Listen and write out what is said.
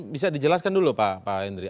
bisa dijelaskan dulu pak hendri